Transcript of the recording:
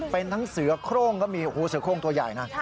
เป็นทั้งเสือโครงก็มีเสือโครงตัวใหญ่นะ